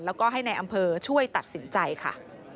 แล้วก็ให้ในอำเภอช่วยตัดสินใจค่ะ